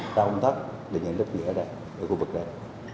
và ta không thắc đề nghệ đáp nghĩa ở đây ở khu vực này